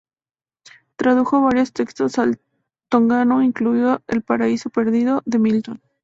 Tradujo varios textos al tongano, incluido ""El Paraíso Perdido"" de Milton.